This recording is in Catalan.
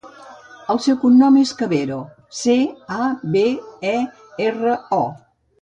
El seu cognom és Cabero: ce, a, be, e, erra, o.